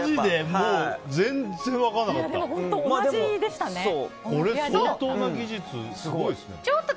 もう全然分からなかった。